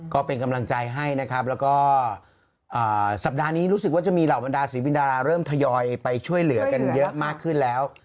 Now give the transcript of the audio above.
ก็เป็นกำลังใจให้นะครับแล้วก็สัปดาห์นี้รู้สึกว่าจะมีเหล่าบรรดาศิลปินดาเริ่มทยอยไปช่วยเหลือกันเยอะมากขึ้นแล้ว